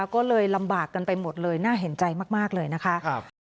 ก็เลยลำบากกันไปหมดเลยน่าเห็นใจมากเลยนะคะ